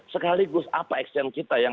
sekaligus apa exchange kita yang harus kita lakukan